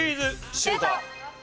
シュート！